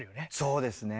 そうですね。